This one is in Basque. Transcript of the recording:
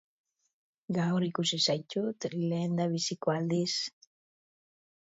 Gaur ikusi zaitut lehendabiziko aldiz.